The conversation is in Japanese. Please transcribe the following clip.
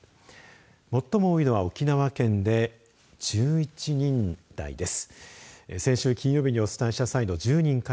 最も多いのは沖縄県で１１人台です。